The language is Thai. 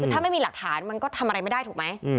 คือถ้าไม่มีหลักฐานมันก็ทำอะไรไม่ได้ถูกไหม